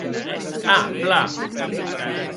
A, plan!